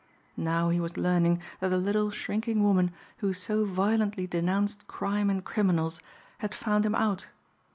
Now he was learning that the little, shrinking woman, who so violently denounced crime and criminals, had found him out.